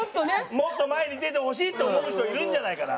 もっと前に出てほしいって思う人いるんじゃないかな。